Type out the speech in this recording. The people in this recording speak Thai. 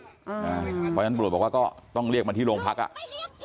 เพราะฉะนั้นตำรวจบอกว่าก็ต้องเรียกมาที่โรงพักอ่ะ